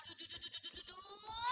aduh duduh duduh duduh